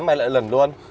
mày lại lẩn luôn